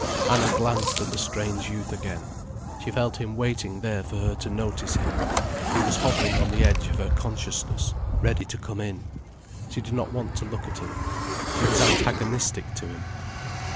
Anna glanced at the strange youth again. She felt him waiting there for her to notice him. He was hovering on the edge of her consciousness, ready to come in. She did not want to look at him. She was antagonistic to him.